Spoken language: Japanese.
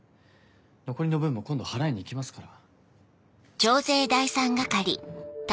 残りの分も今度払いに行きますから。